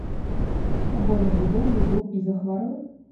Што з табой на будоўлі быў і захварэў?